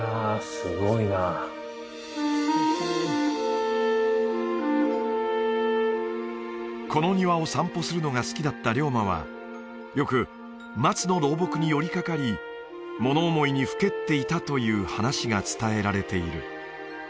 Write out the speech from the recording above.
すごいなこの庭を散歩するのが好きだった龍馬はよく松の老木に寄りかかり物思いにふけっていたという話が伝えられている